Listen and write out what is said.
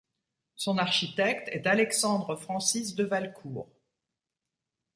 Son architecte est Alexandre Francis de Valcour.